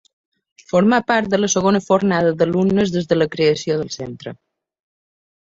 Formà part de la segona fornada d'alumnes des de la creació del centre.